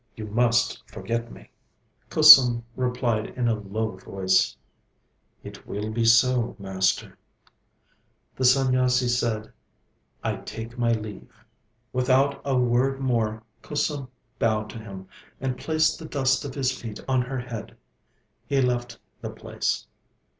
You must forget me.' Kusum replied in a low voice: 'It will be so, Master.' The Sanyasi said: 'I take my leave.' Without a word more Kusum bowed to him, and placed the dust of his feet on her head. He left the place.